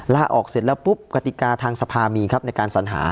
ลาออกเสร็จแล้วปุ๊บกติกาทางสภามีครับในการสัญหา